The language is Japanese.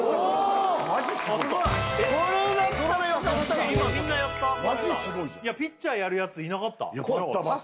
すごいじゃんピッチャーやるやついなかった？